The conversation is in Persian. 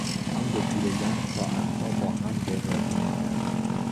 آن دو پیرزن ساعتها با هم وراجی میکردند.